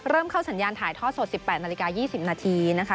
เริ่มเข้าสัญญาณถ่ายทอดสด๑๘นาฬิกา๒๐นาทีนะคะ